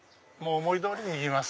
思い通りにいきます。